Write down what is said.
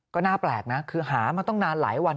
ก็น่าแปลกนะคือหามาตั้งนานหลายวัน